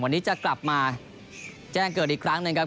วันนี้จะกลับมาแจ้งเกิดอีกครั้งนะครับ